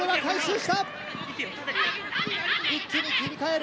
一気に切り替える。